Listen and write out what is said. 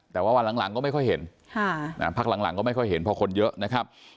แต่ว่าวันหลังก็ไม่ค่อยเห็นพักหลังก็ไม่ค่อยเห็นเพราะคนเยอะนะครับ